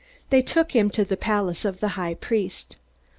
They took him to the palace of the high priest.